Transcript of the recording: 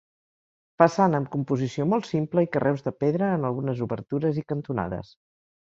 Façana amb composició molt simple i carreus de pedra en algunes obertures i cantonades.